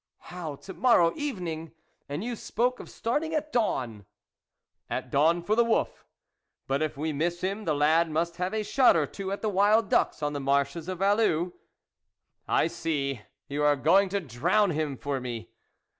" How, to morrow evening ! and you spoke of starting at dawn !"" At dawn for the wolf ; but if we miss him, the lad must have a shot or two at the wild ducks on the marshes of Vallue." " I see ! you are going to drown him for me